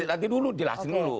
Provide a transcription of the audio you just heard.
nanti dulu dilahirkan dulu